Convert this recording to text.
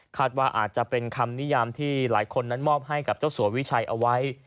ว่าอาจจะเป็นคำนิยามที่หลายคนนั้นมอบให้กับเจ้าสัววิชัยเอาไว้